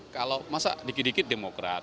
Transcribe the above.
kalau masa dikit dikit demokrat